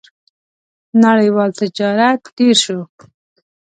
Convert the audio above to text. • نړیوال تجارت ډېر شو.